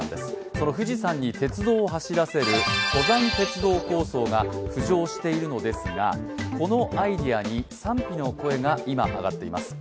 その富士山に鉄道を走らせる登山鉄道構想が浮上しているのですがこのアイデアに賛否の声が今、上がっています。